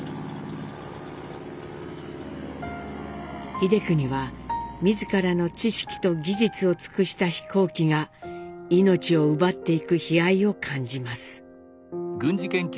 英邦は自らの知識と技術を尽くした飛行機が命を奪っていく悲哀を感じます。